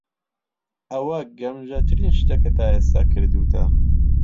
ئەوە گەمژەترین شتە کە تا ئێستا کردووتە.